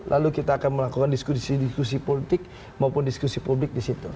lalu kita akan melakukan diskusi diskusi politik maupun diskusi publik di situ